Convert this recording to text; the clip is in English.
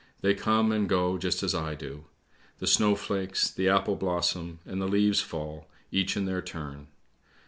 They come and go just as I do. The snowflakes, the apple blossom, and the leaves fall, each in their turn.